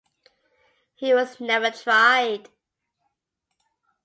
He was never tried.